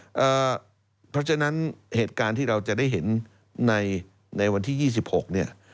เพราะฉะนั้นเหตุการณ์ที่เราจะได้เห็นในวันที่๒๖เนี่ย